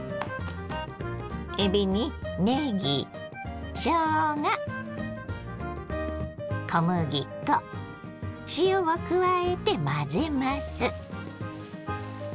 えびにねぎしょうが小麦粉塩を加えて混ぜます。